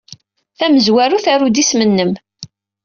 Tamezwarut, aru-d isem-nnem.